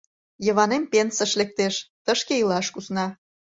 Йыванем пенсыш лектеш, тышке илаш кусна.